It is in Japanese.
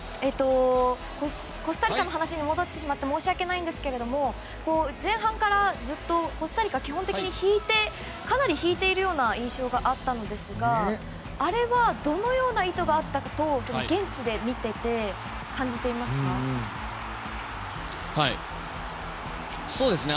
コスタリカの話に戻ってしまって申し訳ないんですけれども前半からずっとコスタリカは基本的に引いてかなり引いているような印象があったのですがあれはどのような意図があったと現地で見ていて感じていますか？